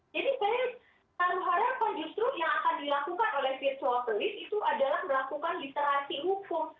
jadi saya saya harapkan justru yang akan dilakukan oleh virtual polis itu adalah melakukan literasi hukum